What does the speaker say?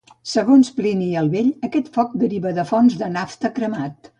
Segons Plini el Vell aquest foc derivava de fonts de nafta cremant.